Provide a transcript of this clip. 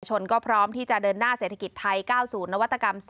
ชนก็พร้อมที่จะเดินหน้าเศรษฐกิจไทย๙๐นวัตกรรม๔